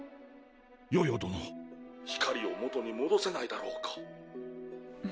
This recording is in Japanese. ヨヨ殿「光を元にもどせないだろうか」